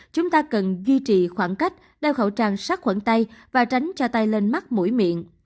chúng ta cần duy trì khoảng cách đeo khẩu trang sát khuẩn tay và tránh cho tay lên mắt mũi miệng